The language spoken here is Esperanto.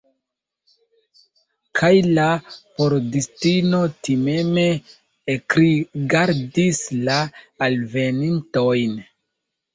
Kaj la pordistino timeme ekrigardis la alvenintojn.